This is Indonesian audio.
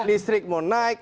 distrik mau naik